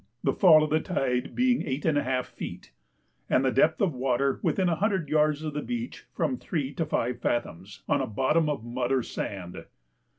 the fall of the tide being 8½ feet, and the depth of water within a hundred yards of the beach from 3 to 5 fathoms, on a bottom of mud or sand.